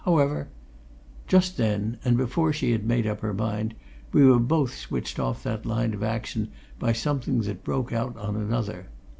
However " Just then, and before she had made up her mind, we were both switched off that line of action by something that broke out on another.